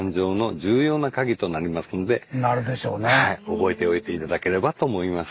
覚えておいて頂ければと思います。